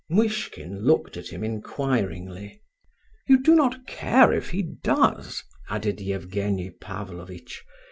Muishkin looked at him inquiringly. "You do not care if he does?" added Evgenie Pavlovitch.